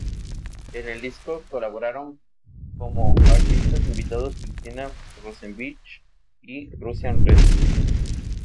En el disco colaboraron como artistas invitados Cristina Rosenvinge y Russian Red.